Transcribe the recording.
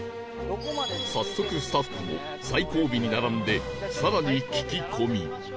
早速スタッフも最後尾に並んでさらに聞き込み